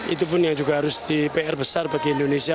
itu pun yang juga harus di pr besar bagi indonesia